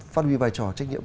phát huy vai trò trách nhiệm